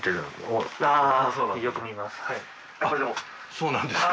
・そうなんですか？